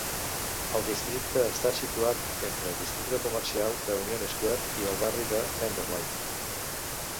El districte està situat entre el districte comercial de Union Square i el barri de Tenderloin.